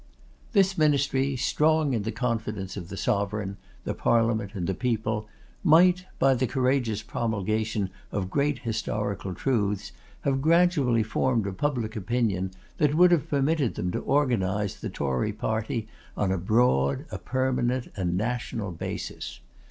This ministry, strong in the confidence of the sovereign, the parliament, and the people, might, by the courageous promulgation of great historical truths, have gradually formed a public opinion, that would have permitted them to organise the Tory party on a broad, a permanent, and national basis.